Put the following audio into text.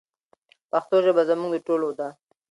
پښتو ژبه زموږ د ټولو ده.